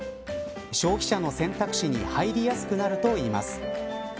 消費者の選択肢に入りやすくなるといいます。